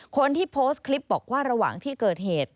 คนที่โพสต์คลิปบอกว่าระหว่างที่เกิดเหตุ